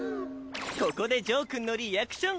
ここでジョーくんのリアクション！